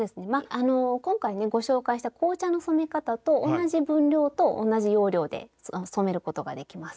あの今回ねご紹介した紅茶の染め方と同じ分量と同じ要領で染めることができます。